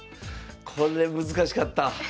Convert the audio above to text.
これ難しかった。